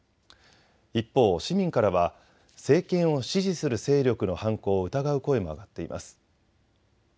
一方、市民からは政権を支持する勢力の犯行を疑う声も上がっています。